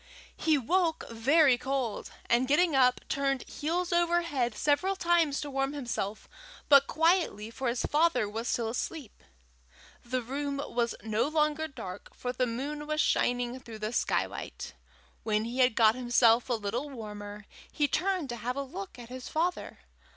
He woke very cold, and getting up, turned heels over head several times to warm himself, but quietly, for his father was still asleep. The room was no longer dark, for the moon was shining through the skylight. When he had got himself a little warmer, he turned to have a look at his father.